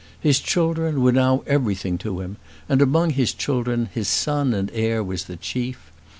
His children were now everything to him, and among his children his son and heir was the chief.